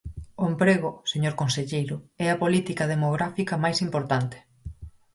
O emprego, señor conselleiro, é a política demográfica máis importante.